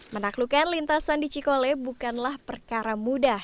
menaklukkan lintasan di cikole bukanlah perkara mudah